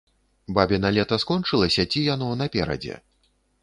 Бабіна лета скончылася ці яно наперадзе?